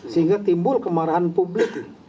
sehingga timbul kemarahan publik